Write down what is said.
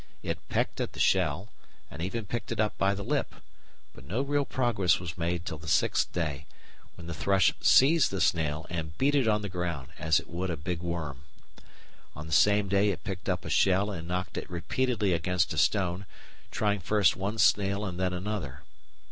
It pecked at the shell and even picked it up by the lip, but no real progress was made till the sixth day, when the thrush seized the snail and beat it on the ground as it would a big worm. On the same day it picked up a shell and knocked it repeatedly against a stone, trying first one snail and then another.